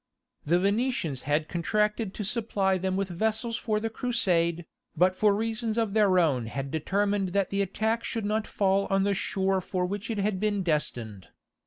The Venetians had contracted to supply them with vessels for the Crusade, but for reasons of their own had determined that the attack should not fall on the shore for which it had been destined.